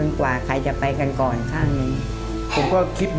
แล้ววันนี้ไม่ได้กลับบ้านมือเปล่าคุณพี่ปู